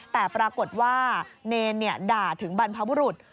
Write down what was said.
แต่ปรากฏว่าเนรด่าถึงบรรพบุรุษ